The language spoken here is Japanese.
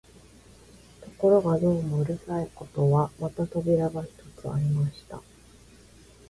ところがどうもうるさいことは、また扉が一つありました